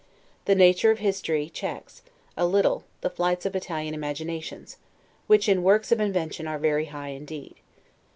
The nature of history checks, a little, the flights of Italian imaginations; which, in works of invention, are very high indeed.